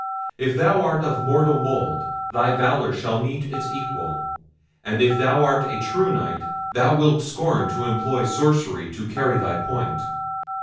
If thou art of mortal mould, thy valour shall meet its equal: and if thou art a true Knight, thou wilt scorn to employ sorcery to carry thy point.